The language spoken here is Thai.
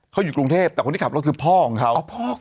เขาอยู่กรุงเทพแต่คนที่ขับรถคือพ่อของเขา